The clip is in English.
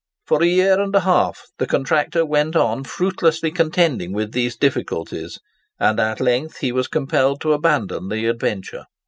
For a year and a half the contractor went on fruitlessly contending with these difficulties, and at length he was compelled to abandon the adventure.